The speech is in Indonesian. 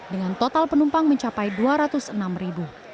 dengan total penumpang mencapai dua ratus enam ribu